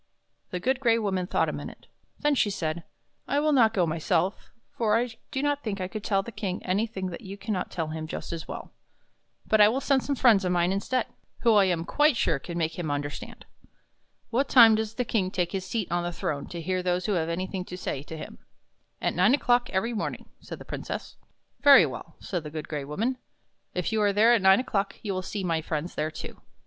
The Good Gray Woman thought a minute. Then she said: " I will not go myself, for I do not think I could tell the King anything that you can not tell him just as well. But I will send some friends of mine instead, who I am quite sure can make him understand. What time does the King take his seat on the throne to hear those who have anything to say to him?" " At nine o'clock every morning," said the Princess. " Very well," said the Good Gray Woman. " If you are there at nine o'clock, you will see my friends there, too."